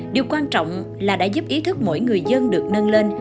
điều quan trọng là đã giúp ý thức mỗi người dân được nâng lên